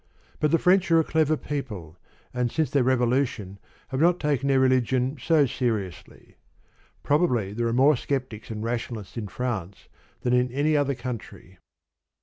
But the French are a clever people, and since their Revolution have not taken their religion so seriously. Probably there are more Sceptics and Rationalists in France than in any other country.